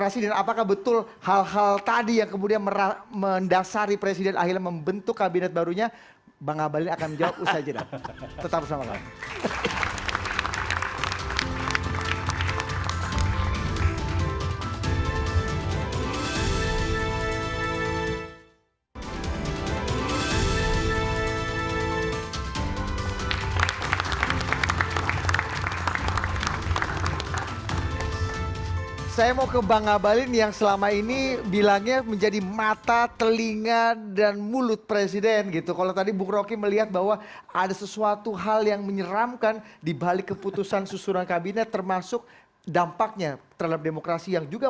saya mau katakan membatalkan demokrasi